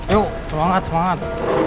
yuk semangat semangat